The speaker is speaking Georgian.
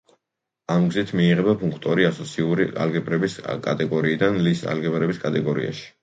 ამ გზით მიიღება ფუნქტორი ასოციური ალგებრების კატეგორიიდან ლის ალგებრების კატეგორიაში.